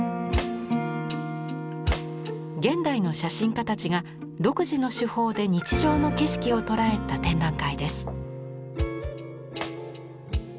現代の写真家たちが独自の手法で日常の景色をとらえた展覧会です。